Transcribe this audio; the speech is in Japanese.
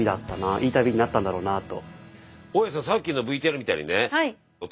いい旅になったんだろうなと。